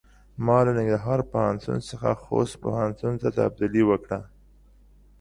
ما له ننګرهار پوهنتون څخه خوست پوهنتون ته تبدیلي وکړۀ.